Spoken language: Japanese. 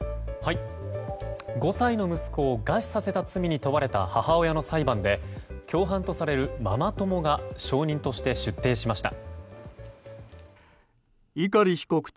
５歳の息子を餓死させた罪に問われた母親の裁判で共犯とされるママ友が証人として出廷しました。